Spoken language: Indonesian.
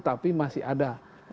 tapi masih ada